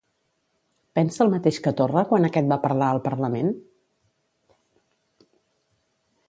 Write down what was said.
Pensa el mateix que Torra quan aquest va parlar al Parlament?